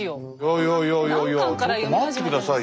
いやいやいやちょっと待って下さいよ。